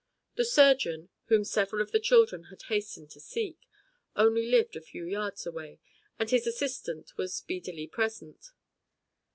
The surgeon, whom several of the children had hastened to seek, only lived a few yards away, and his assistant was speedily present.